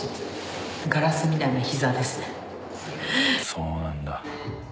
そうなんだ。